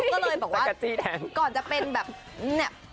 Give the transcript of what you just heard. ก็เลยบอกว่าก่อนจะเป็นแบบเนี่ย